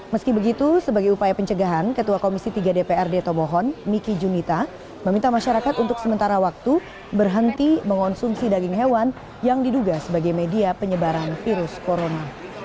meski begitu sebagai upaya pencegahan ketua komisi tiga dprd tomohon miki jumita meminta masyarakat untuk sementara waktu berhenti mengonsumsi daging hewan yang diduga sebagai media penyebaran virus corona